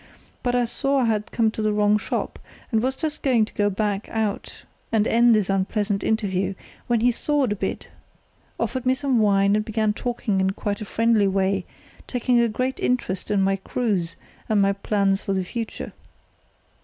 But I saw I had come to the wrong shop, and was just going to back out and end this unpleasant interview, when he thawed a bit, offered me some wine, and began talking in quite a friendly way, taking a great interest in my cruise and my plans for the future.